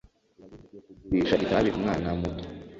Birabujijwe kugurisha itabi umwana muto.